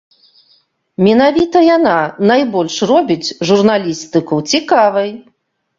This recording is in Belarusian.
Менавіта яна найбольш робіць журналістыку цікавай.